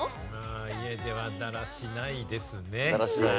家ではだらしないですね。